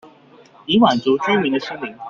以滿足居民的心靈